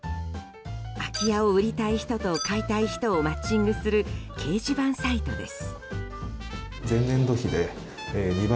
空き家を売りたい人と買いたい人をマッチングする掲示板サイトです。